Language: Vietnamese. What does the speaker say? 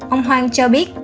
ông hoan cho biết